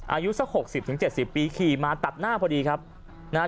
อายุสักหกสิบถึงเจ็ดสิบปีขี่มาตัดหน้าพอดีครับนะฮะ